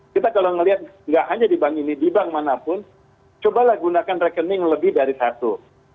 kita kalau melihat nggak hanya di bank ini di bank manapun cobalah gunakan rekening lebih dari satu